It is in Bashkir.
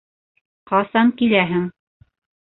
Ҡасан киләһең?